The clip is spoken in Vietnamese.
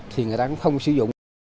thì người ta cũng không sử dụng